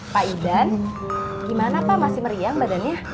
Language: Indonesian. pak idan gimana pak masih meriam badannya